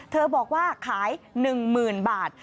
บอกว่าขาย๑๐๐๐บาท